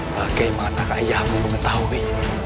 bagaimana kak ayahmu mengetahui